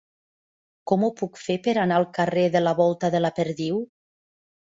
Com ho puc fer per anar al carrer de la Volta de la Perdiu?